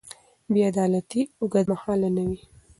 بې عدالتي اوږدمهاله نه وي